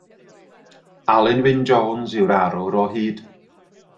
Alun Wyn Jones yw'r arwr o hyd.